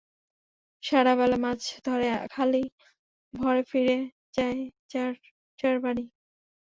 সারা বেলা মাছ ধরে খালই ভরে ফিরে যায় যার যার বাড়ি।